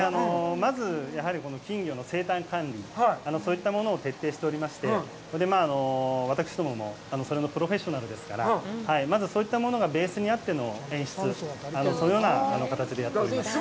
まず、やはりこの金魚の生態管理、そういったものを徹底しておりまして、私どももそれのプロフェッショナルですから、まず、そういったものがベースにあっての演出、そのような形でやっております。